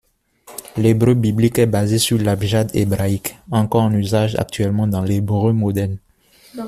L'hébreu biblique est basé sur l'abjad hébraïque, encore en usage actuellement dans l'hébreu moderne.